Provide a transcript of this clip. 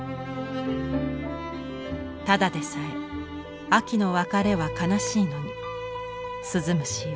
「ただでさえ秋の別れは悲しいのに鈴虫よ